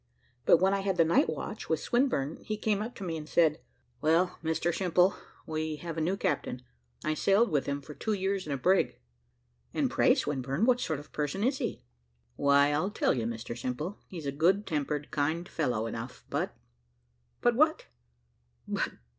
But when I had the night watch with Swinburne, he came up to me, and said, "Well, Mr Simple, so we have a new captain, I sailed with him for two years in a brig." "And pray, Swinburne, what sort of a person is he?" "Why, I'll tell you, Mr Simple; he's a good tempered, kind fellow enough, but " "But what?"